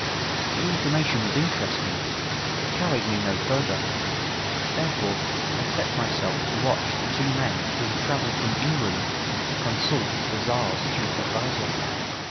The information was interesting, but carried me no further, therefore I set myself to watch the two men who had travelled from England to consult the Tzar's chief adviser.